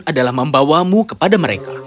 adalah membawamu kepada mereka